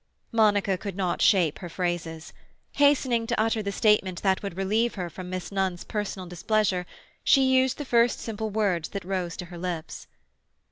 Monica could not shape her phrases. Hastening to utter the statement that would relieve her from Miss Nunn's personal displeasure, she used the first simple words that rose to her lips.